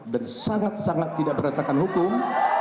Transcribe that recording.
dan sangat sangat tidak berasakan hukum